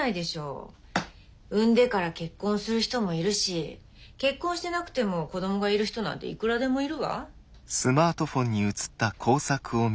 産んでから結婚する人もいるし結婚してなくても子供がいる人なんていくらでもいるわ。